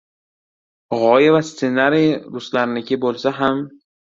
G‘oya va stsenariy ruslarniki bo‘lsa ham